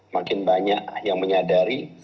makin banyak yang menyadari